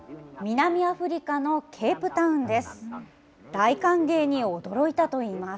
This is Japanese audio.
南アフリカのケープタウンです。